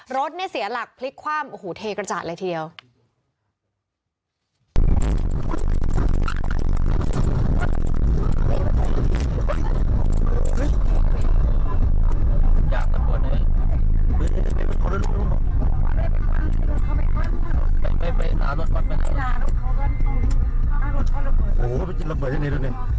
รถเนี่ยเสียหลักพลิกคว่ำโอ้โหเทกระจาดเลยทีเดียว